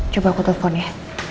coba aku telfon ya